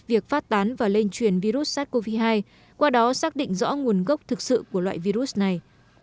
việc phát tán và lây truyền virus sars cov hai qua đó xác định rõ nguồn gốc thực sự của loại virus này